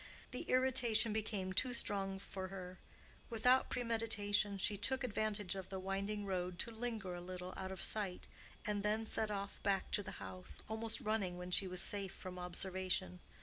The irritation became too strong for her; without premeditation, she took advantage of the winding road to linger a little out of sight, and then set off back to the house, almost running when she was safe from observation.